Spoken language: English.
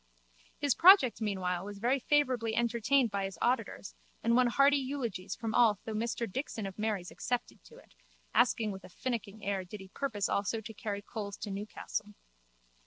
His project meanwhile was very favourably entertained by his auditors and won hearty eulogies from all though Mr Dixon of Mary's excepted to it, asking with a finicking air did he purpose also to carry coals to Newcastle.